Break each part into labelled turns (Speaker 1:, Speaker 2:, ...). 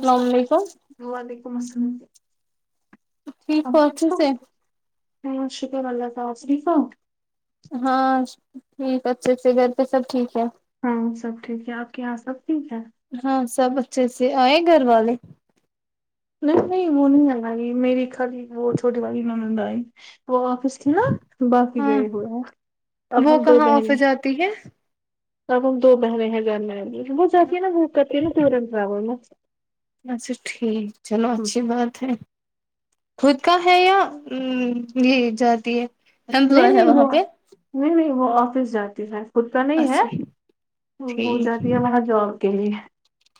Speaker 1: السلام علیکم وعلیکم السلام
Speaker 2: ٹھیک ہو اچھے سے
Speaker 1: ہاں شکر ہے اللہ کا شریفا
Speaker 2: ہاں ٹھیک اچھے سے گھر پہ سب ٹھیک ہے
Speaker 1: ہاں سب ٹھیک ہے آپ کے یہاں سب ٹھیک ہے
Speaker 2: ہاں سب اچھے سے آئے گھر والے
Speaker 1: نہیں نہیں وہ نہیں الائی میری خالی وہ چھوٹی والی ننند آئی وہ آفس تھی نہ باقی
Speaker 2: ہاں
Speaker 1: گئے ہوئے ہیں اب ہم دو بہنیں
Speaker 2: ٹھیک ہے
Speaker 1: اب ہم دو بہنیں ہیں گھرمیں لیکن وہ جاتی ہیں نہ بک کرتی ہیں نا ٹور اینڈ ٹریول میں
Speaker 2: اچھا ٹھیک چلو اچھی بات ٹھیک خود کا ہے یاام یہ جاتی ہے
Speaker 1: نہیں
Speaker 2: امپلائی ہے
Speaker 1: نہیں
Speaker 2: وہاں
Speaker 1: وہ
Speaker 2: پہ
Speaker 1: نہیں نہیں وہ آفس جاتی ہے خود کا نہیں
Speaker 2: اچھا
Speaker 1: ہےوہ وہ
Speaker 2: ٹھیک
Speaker 1: جاتی ہے وہاں جاب کے لیے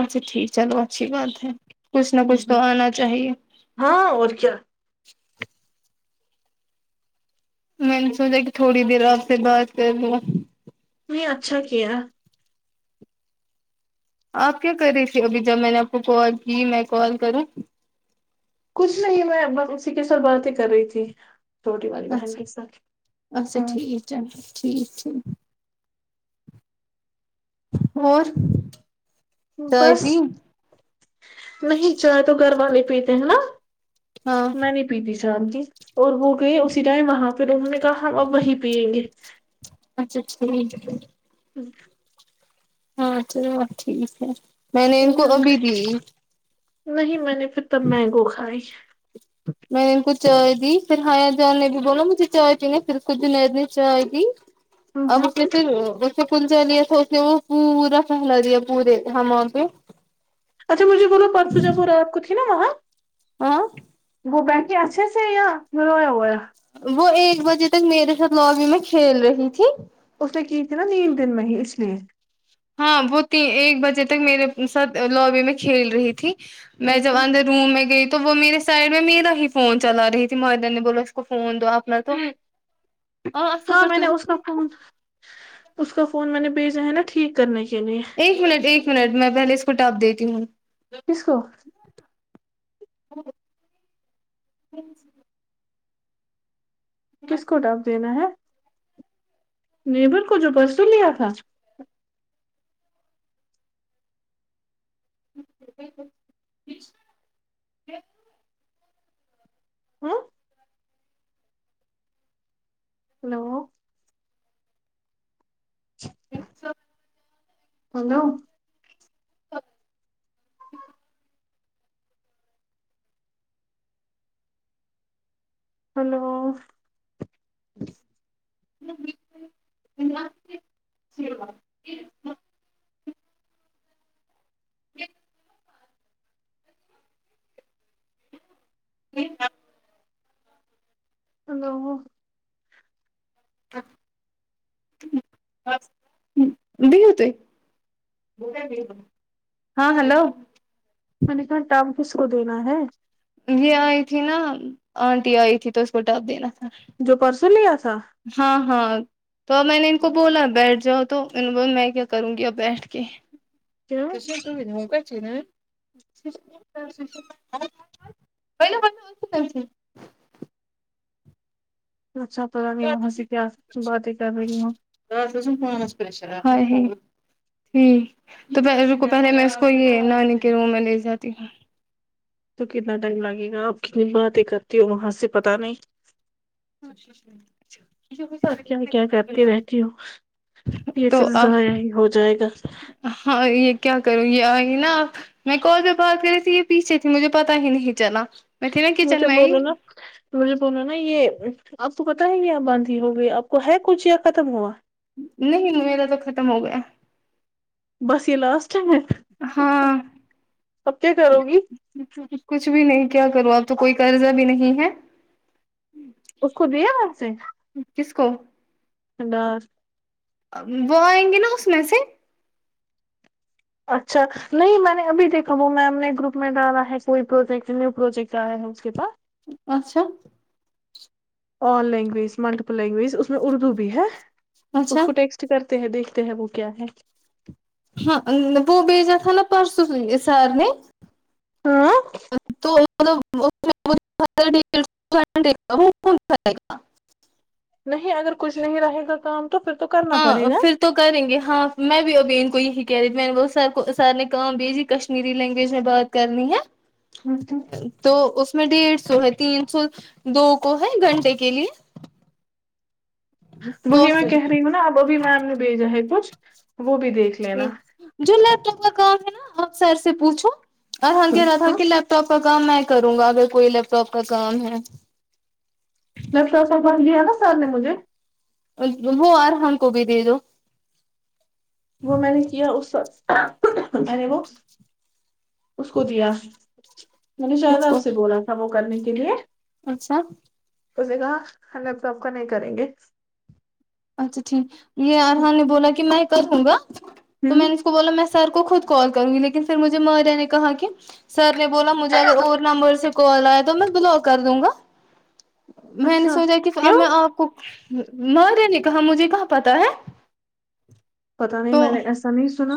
Speaker 2: اچھا ٹھیک چلو اچھی بات ہے کچھ نہ کچھ تو آنا چاہئے
Speaker 1: ہاں اور کیا
Speaker 2: میں نے سوچا کہ تھوڑی دیر آپ سے بات کر لوں
Speaker 1: میں اچھا کیا
Speaker 2: آپ کیا کر رہی تھی ابھی جب میں نے آپ کو کال کی میں کال کروں
Speaker 1: کچھ نہیں میں بس اسی کے ساتھ باتیں کر رہی تھی چھوٹی والی بہن کے ساتھ ہاں
Speaker 2: چلو ٹھیک ٹھیک اور چائے
Speaker 1: بس
Speaker 2: پی
Speaker 1: نہیں چائے تو گھر والے پیتے ہیں نہ
Speaker 2: ہاں
Speaker 1: میں نہیں پیتی شام کی اور وہ گئے اسی ٹائم وہاں پھر انہوں نے کہا ہم اب وہی پیئیں گے
Speaker 2: اچھا ٹھیک ہے ہاں چلو ٹھیک ہے میں نے ان کو ابھی دی
Speaker 1: نہیں میں نے پھر تب مینگو کھائی
Speaker 2: میں نے ان کو چائے دی پھر ہایا جان نے بھی بولا مجھے چائے پینے پھر کھ نیر نے چائے دی اب پھر پھر اسے کلجنیا تھاکہ وہ پورا پہلا دیا پورے ہمام پہ
Speaker 1: اچھا مجھے بو لو پانچجہ پور رات کو تھی نہ وہاں
Speaker 2: اں
Speaker 1: وہ بیٹھے اچھے سے یا رویا ہوا ہے
Speaker 2: وہ ایک بجے تک میرے ساتھ لوبی میں کھیل رہی تھی
Speaker 1: اس نے کی تھی نہ نین دن میں ہی اس لیے
Speaker 2: ہاں وہ تو ایک بجے تک میرے ساتھ لوبی میں کھیل رہی تھی میں جب اندر روم میں گئی تو وہ میرے سائڈ میں میرا ہی فون چلا رہی تھی مائدہ نے بولا اس کو فون دو آپ [unintelligible] نہ تو آپ
Speaker 1: ہاں میں نے اس کا فون اس کا فون میں نے بھیجا ہے نا ٹھیک کرنے کے لیے
Speaker 2: ایک منٹ ایک منٹ میں پہلے اس کو ٹب دیتی ہوں
Speaker 1: کس کو کس کو ٹیب دینا ہے نیبر کو جو پرسوں لیا تھا ھمم ہلو
Speaker 2: ایک [unintelligible]
Speaker 1: ہلو ہلو
Speaker 2: [unintelligible] [unintelligible]
Speaker 1: ہلو
Speaker 2: [unintelligible] ہاں ہلو
Speaker 1: میں نے کہا ٹب کس کو دینا ہے
Speaker 2: یہ آئی تھی نا آنٹی آئی تھی تو اس کو ٹب دینا تھا
Speaker 1: جو پرسوں لیا تھا
Speaker 2: ہاں ہاں تو اب میں نے ان کو بولا بیٹھ جاؤ تو ان بول میں کیا کروں گی اب بیٹھ کے
Speaker 1: کیا
Speaker 2: [unintelligible] [unintelligible]
Speaker 1: اچھا پتا نہیں میں وہاں سے کیا باتیں کر رہی ہوں
Speaker 2: [unintelligible] ہی تو پل روکو پہلے میں اس کو یہ نانی کے روم میں لے جاتی ہوں
Speaker 1: تو کتنا ٹائم لگے گا آپ کتنی باتیں کرتی ہو وہاں سے پتا نہیں آپ کیا کیا
Speaker 2: [unintelligible]
Speaker 1: کرتی رہتی ہوں یہ پھر
Speaker 2: تو اب
Speaker 1: ضائع ہی ہو جائے گا
Speaker 2: ہاں یہ کیا کروں یہ آئی نہ اب میں کال سے بات کر رہی تھی یہ پیچھے تھی مجھے پتا ہی نہیں چلا میں تھی نا
Speaker 1: مجھے
Speaker 2: کچن میں ہی
Speaker 1: بولو نا مجھے بولو نا یہ آپ کو پتا ہے کہ یہاں باندھی ہو گئی آپ کو ہے کچھ ختم ہوا
Speaker 2: نہیں میرا تو ختم ہو گیا
Speaker 1: بس یہ لاسٹ ٹائم ہے
Speaker 2: ہاں
Speaker 1: اب کیا کرو گی
Speaker 2: کچھ بھی نہیں کیا کرو آپ تو کوئی قرضہ بھی نہیں ہے
Speaker 1: اس کو دیا وہاں سے
Speaker 2: کس کو
Speaker 1: اداس
Speaker 2: اب وہ آئنگے نہ اس میں سے
Speaker 1: اچھا نہیں میں نے اب دیکھا وہ میم نے گروپ میں ڈالا ہے کوئی پروجیکٹ نیو پروجیکٹ آیا ہے اس کے پاس
Speaker 2: اچھا
Speaker 1: آل لینگویج ملٹیپل لینگویج اس میں اردو بھی ہے اس
Speaker 2: اچھا
Speaker 1: کو ٹیکسٹ چ کرتے ہیں دیکھتے ہیں وہ کیا ہے
Speaker 2: ہاں وہ بھیجا تھا نا پرسوں سارنے
Speaker 1: ہاں
Speaker 2: توائے [inaudible] گا
Speaker 1: نہیں اگر کچھ نہیں رہے گا کام تو پھر تو کر
Speaker 2: ہاں پھر تو کریں گے ہاں میں بھی ابین کو یہی کہہ رہی تھی میں نے بہت س کو سار نے کام بھیجی کشمیری لینگویج میں بات کرنی ہے تو اس میں ڈیڑھ سو ہے تین سو دو کو ہے گھنٹے کے لیے دو
Speaker 1: وہی میں
Speaker 2: سو
Speaker 1: کہہ رہی ہوں نا اب ابھی میم نے بھیجا ہے کچھ وہ بھی دیکھ
Speaker 2: ج
Speaker 1: لینا
Speaker 2: جو لیپ ٹاپ کا کام ہے نا آپ سر سے پوچھو اور ہ کہہ رہا تھا کہ
Speaker 1: لیپ
Speaker 2: لیپٹ لیپٹاپ کا کام میں کروں گا اگر کوئی لیپ ٹاپ کا کام ہے
Speaker 1: [unintelligible] ن بن لیا ہے نا سر نے مجھے
Speaker 2: ہو اور ہم کو بھی دے دو
Speaker 1: وہ میں نے کیا اس میں نے وہ اس کو دیا میں نے شاید
Speaker 2: اس
Speaker 1: آپ
Speaker 2: کو
Speaker 1: سے بولا تھا وہ کرنے کے لیے
Speaker 2: اچھا
Speaker 1: اس نے کہا ہم لوگ تو آپ کا نہیں کریں گے
Speaker 2: اچھا ٹھیک یہ ارحان نے بولا کہ میں کروں گا تو میں
Speaker 1: ہوں
Speaker 2: نے کو بولا میں سر کو خود کال کروں گی لیکن پھر مجھے ماریا نے کہا کہ سر نے بولا مجھے اگر اور نمبر سے کال آیا تو میں بلاک کر دوں گا میں نے
Speaker 1: اچھا
Speaker 2: سوچا کہ اب
Speaker 1: کیوں
Speaker 2: میں آپ کو ماریا نے کہا مجھے کہاں پتا ہے
Speaker 1: پتا نہیں
Speaker 2: تو
Speaker 1: میں نے ایسا نہیں سنا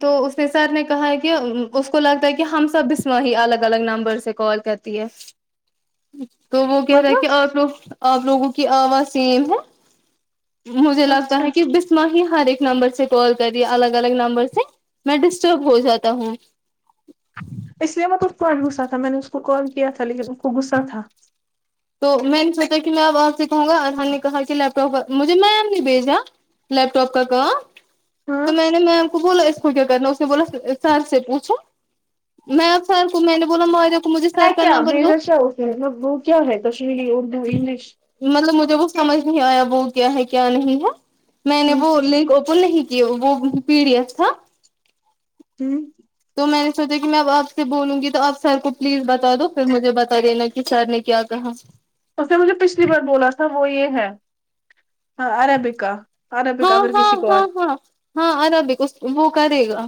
Speaker 2: تو اس نے سر نے کہا کہ اس کو لگتا ہے کہ ہم سب اس وہ ہی الگ الگ نمبر سے کال کرتی ہے [inaudible] تو وہ کہہ رہا ہے کہ
Speaker 1: مطلب
Speaker 2: آپ لوگ آپ لوگوں کی آواز سیم ہے مجھے لگتا
Speaker 1: اچھا
Speaker 2: ہے کہ بسمہ ہی ہر ایک نمبر سے کال کری الگ الگ نمبر سے میں ڈسٹرب ہو جاتا ہوں
Speaker 1: اس لیے میں تو اس [unintelligible] تھا میں نے اس کو کال کیا تھا لیکن اس کو غسا تھا
Speaker 2: تو میں نے سوچا کہ میں آ وہاں سے کہوں گا ارحان نے کہا کہ لیپٹاپ مجھے میم نہیں بھیجا لیپ ٹاپ کا کہا
Speaker 1: ہاں
Speaker 2: تو میں نے میں بولا اس کو کیا کرنا اس نے بولا سر سے پوچھو میں سر کو میں نے بولا ماریا کو مجھے سر کا نمبر دو
Speaker 1: بھیجا سو اس نے وہ کیا ہے کشمیری اردو انگلش
Speaker 2: مطلب مجھے وہ سمجھ نہیں آیا وہ کیا ہے کیا نہیں ہے میں نے
Speaker 1: ہوں
Speaker 2: وہ لنک اوپن نہیں کہ وہ پی ڈی ایف تھا
Speaker 1: ہوں
Speaker 2: تو میں نے سوچا کہ میں اب آپ سے بولوں گی تو آپ سر کو پلیز بتا دو پھر مجھے بتا دینا کہ سر نے کیا کہا
Speaker 1: اس نے مجھے پچھلی بار بولا تھا وہ یہ ہے ہاں اربک کا اربک
Speaker 2: ہاں
Speaker 1: اگر
Speaker 2: ہاں
Speaker 1: کسی کو
Speaker 2: ہاں
Speaker 1: اتی
Speaker 2: ہاں ہاں ارابک وہ کرے گا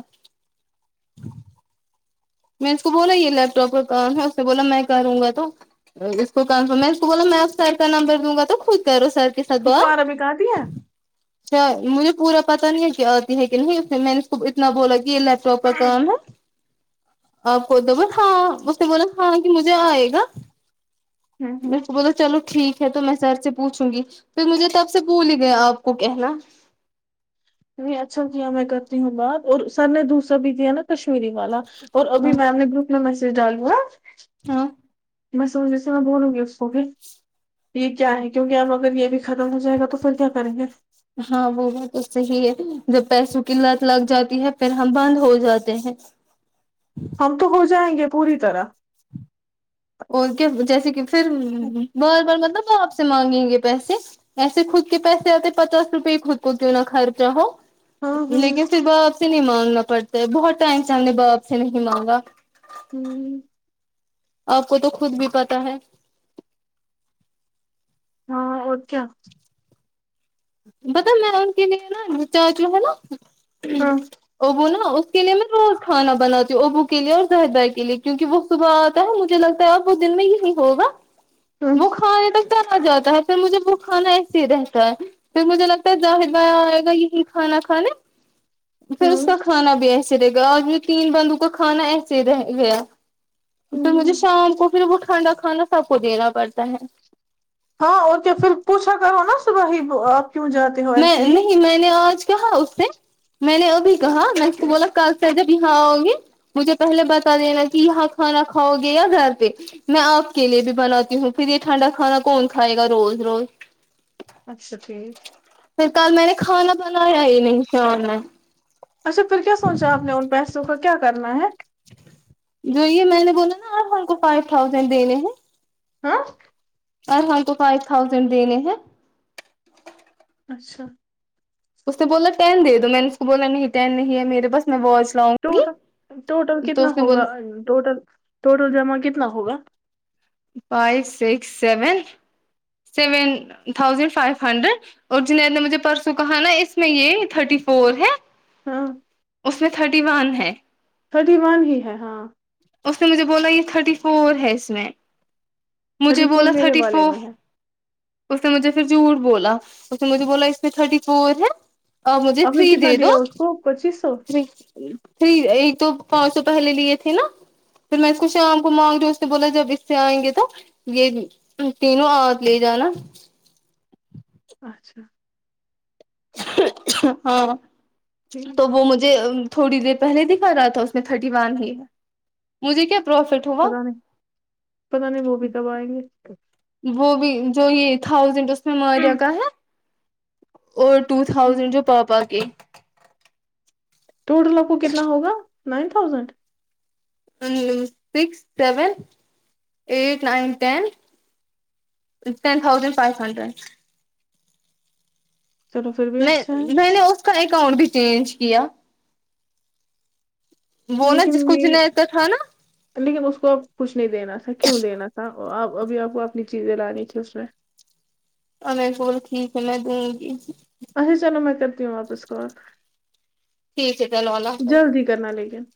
Speaker 2: میں اس کو بولا یہ لیپ ٹاپ کا کام ہے اس سے بولا میں کروں گا تو اس کو کنفرم میں اس کو بولا میں سائڈ کا نمبر دوں گا تو خود کرو سرچ کے ساتھ
Speaker 1: اس کو
Speaker 2: بات
Speaker 1: عربکا آتی ہے
Speaker 2: اچھا مجھے پورا پتہ نہیں ہے کہ آتی ہے کی نہیں اس میں نے اتنا بولا کی یے لیپ ٹاپ پر کام ہے آپ کو ہاں اس نے بولا ہاں کہ مجھے آئے گا
Speaker 1: ہوں
Speaker 2: میرے
Speaker 1: ہوں
Speaker 2: تو بولا چلو ٹھیک ہے تو میں سر سے پوچھوں گی پھر مجھے تب سے بھول ہی گیا آپ کو کہنا
Speaker 1: اچھا کیا میں کرتی ہوں بات اور سر نے دوسرا بھی دیا نا کشمیری والا اور ابھی میم نے گروپ میں میسج ڈال دیا
Speaker 2: ہاں
Speaker 1: میں سمجھی سے میں بولوں گی اس کو بھی یے کیا ہے کیونکی ہم اگر یے بھی ختم ہو جائے گا تو پھر کیا کریں گے
Speaker 2: ہاں وہ بات تو صحیح ہے جب پیسوں کی لت لگ جاتی ہے پھر ہم بند ہو جاتے ہیں
Speaker 1: ہم تو ہو جائیں گے پوری طرح
Speaker 2: اور کیا جیسے کی فر بار بار مطلب آپ سے مانگیں گے پیسے ایسے خود کے پیسے آتے پچاس روپئے خود کو کیوں نہ خرچہ ہو
Speaker 1: ہاں ہاں
Speaker 2: لیکن پھر باپ آپ سے نہیں مانگنا پڑتا بہت ٹائم سے ہم نے باپ سے نہیں مانگا
Speaker 1: ہمم
Speaker 2: آپ کو تو خود بھی پتا ہے
Speaker 1: ہاں اور کیا
Speaker 2: بتہ میں ان کے لیے نا چاچو ہے نا
Speaker 1: ہاں
Speaker 2: وہ بولا [unintelligible] کھانا بناتی ہوں ابو کے لیے اور زاہد بھائی کے لیے کیونکی وہ صبح آتا ہے مجھے لگتا ہے اب وہ دن میں یہی ہوگا
Speaker 1: ہ
Speaker 2: وہ کھانے تک تو آ جاتا ہے پھر مجھے وہ کھانا ایسے ہی رہتا ہے پھر مجھے لگتا ہے زاہد بھائی آئے گا یہی کھانا کھالے پھر اس
Speaker 1: ہ
Speaker 2: کا کھانا بھی ایسا رہے گا آج میں تین بندو کا کانا ایسے رہ گیا پھر مجھے شام کو پھر وہ ٹھنڈا کھانا سب کو دینا پڑتا ہے
Speaker 1: ہاں اور کیا پھر پوچھا کرو نا صبح ہی آب کیوں جاتے ہو
Speaker 2: میں
Speaker 1: ایسے ہی
Speaker 2: نہیں میں نے آج کہا اس میں نے ا بھی کہا میں بولا کل سے جب یہاں آؤں گی مجھے پہلے بتا دینا کی یہاں کھانا کھاؤ گے یا گھر پے میں آپ کے لیے بھی بناتی ہوں پھر یے ٹھنڈا کھانا کون کھائے گا روز روز
Speaker 1: اچھا ٹھیک
Speaker 2: پھر کل میں نے کھانا بنایا ہی نہیں شام میں
Speaker 1: اچھا پھر کیا سوچا آپ نے ان پیسوں کا کیا کرنا ہے
Speaker 2: جو یے میں نے بولا نا آپ ارحان کو فائیو تھازینڈ دینے ہیں
Speaker 1: ہاں
Speaker 2: ارحان کو فائیو تھاؤزینڈ دینے ہیں
Speaker 1: اچھا
Speaker 2: اس نے بولا ٹین دے دو میں نے اس کو بولا نہیں ٹین نہیں ہے میرے بس میں واچ لاؤں گی
Speaker 1: ٹوٹل ٹوٹل
Speaker 2: تو
Speaker 1: کتنا
Speaker 2: اس نے
Speaker 1: ہوگا
Speaker 2: بولا
Speaker 1: ٹوٹل ٹوٹل جمع کتنا ہوگا
Speaker 2: five six seven seven thousand five hundred اور جنید نے مجھے پرسوں کہا نا اس میں یے تھرٹی فور ہے
Speaker 1: ہاں
Speaker 2: اس میں تھرٹی ون ہے
Speaker 1: تھرٹی ون ہی ہے ہاں
Speaker 2: اس نے مجھے بولا یے تھرٹی فور ہے اس میں مجھے
Speaker 1: تھرٹی فور
Speaker 2: بولا
Speaker 1: میرے
Speaker 2: تھرٹی
Speaker 1: والے
Speaker 2: فوف
Speaker 1: میں ہے
Speaker 2: اس نے مجھے پھر جھوٹ بولا اس نے مجھے بولا اس میں تھرٹی فور ہے آپ مجھے
Speaker 1: نے
Speaker 2: تھری
Speaker 1: کتنا
Speaker 2: دے دو
Speaker 1: دیا اس کو پچیس سو
Speaker 2: تھری پھر ایک تو پانچ سو پہلے لیے تھے نا پھر میں اس کو شام کو مانگ رہی جو اس نے بولا جب اس سے آئیں گے تو یہ تینوں آپ لے جانا
Speaker 1: اچھا
Speaker 2: ہاں
Speaker 1: ٹھیک
Speaker 2: تو وہ
Speaker 1: ٹھیک
Speaker 2: مجھے تھوڑی دیر پہلے دکھا رہا تھا اس میں تھرٹی ون ہی ہے مجھے کیا پروفٹ ہوا
Speaker 1: پتا نہیں پتا نہیں وہ بھی کب آئیں گے
Speaker 2: وہ بھی جو یہ تھاؤزینڈ اس میں ماریا کا ہے اور ٹو تھاؤزینڈ جوپا پا کے
Speaker 1: ٹوٹل آپ کو کتنا ہوگا nine thousand
Speaker 2: six seven eight nine ten ten thousand five hundred
Speaker 1: چلو پھر بھی
Speaker 2: میں
Speaker 1: اچھا ہے
Speaker 2: میں نے اس کا اکاؤنٹ بھی چینج کیا وہ نا
Speaker 1: لیکن
Speaker 2: جس کو
Speaker 1: میری
Speaker 2: جنید کا تھا نا
Speaker 1: لیکن اس کو اب کچھ نہیں دینا تھا کیوں دینا تھا آپ ابھی آپ کو اپنی چیزیں لانی تھی اس میں
Speaker 2: اور میرے کول ٹھیک ہے میں دوں گی
Speaker 1: اے چلو میں کرتی ہوں واپس کال
Speaker 2: ٹھیک ہے چلو اللہ حافظ
Speaker 1: جلدی کرنا لیکن